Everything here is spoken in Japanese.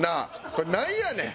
これなんやねん！